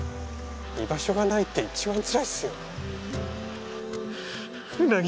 居場所がないって一番つらいっすよ。